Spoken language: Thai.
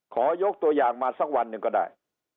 ขอยกตัวอย่างมาสักวันหนึ่งก็ได้